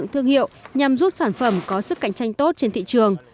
thương hiệu nhằm giúp sản phẩm có sức cạnh tranh tốt trên thị trường